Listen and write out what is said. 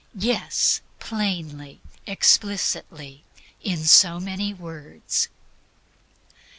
Yes, plainly, explicitly, in so many words.